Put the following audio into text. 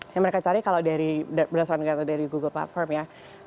yang mereka cari kalau dari berdasarkan google platform ya